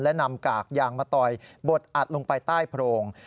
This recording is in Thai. และนำกากยางมาต่อยบดอัดลงไปใต้โพรง